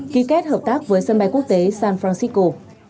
ký kết hợp tác với sân bay quốc tế san francisco